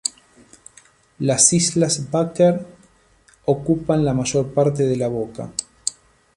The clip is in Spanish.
Las islas Baker ocupan la mayor parte de la boca.